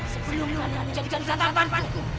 sebelum kalian mencari persembahan